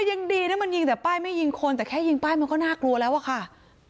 ยังดีนะมันยิงแต่ป้ายไม่ยิงคนแต่แค่ยิงป้ายมันก็น่ากลัวแล้วอะค่ะ